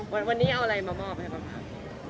วันนี้เอาอะไรมามอบไว้ครับ